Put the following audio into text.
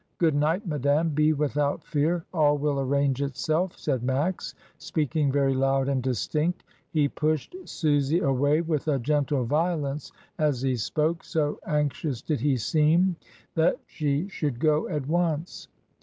"Good night, madame, be without fear; all will arrange it self," said Max, speaking very loud and distinct. He pushed Susy away with a gentle violence as he spoke, so anxious did he seem that she should go at once.